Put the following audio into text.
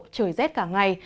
trời rét cả ngày